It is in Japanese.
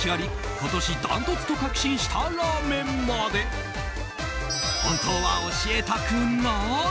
今年ダントツと確信したラーメンまで本当は教えたくない！